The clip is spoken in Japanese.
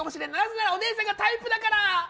なぜならお姉さんがタイプだから！